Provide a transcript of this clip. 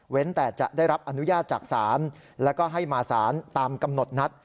แต่จะได้รับอนุญาตจากศาลแล้วก็ให้มาสารตามกำหนดนัด